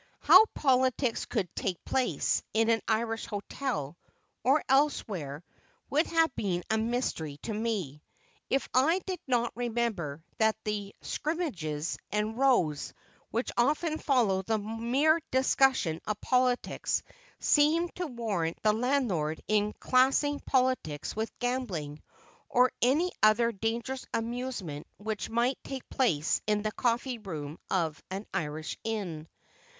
How politics could "take place" in an Irish hotel, or elsewhere, would have been a mystery to me, if I did not remember that the "scrimmages" and rows, which often follow the mere discussion of politics, seemed to warrant the landlord in classing politics with gambling, or any other dangerous amusement which might take place in the coffee room of an Irish inn.